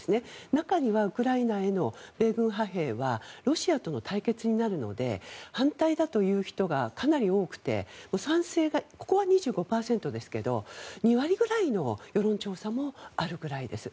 中にはウクライナへの米軍派兵はロシアとの対決になるので反対だという人がかなり多くて賛成がここは２５％ですけど２割ぐらいの世論調査もあるぐらいです。